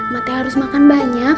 mate harus makan banyak